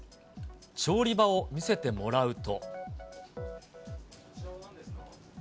調理場を見せてもらうと。